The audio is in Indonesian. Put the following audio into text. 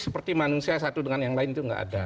seperti manusia satu dengan yang lain itu nggak ada